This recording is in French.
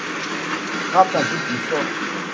Frappe un peu plus fort.